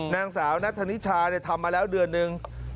นางสาวนัทธนิชาทำมาแล้วเดือนนึง